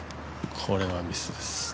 これはミスです。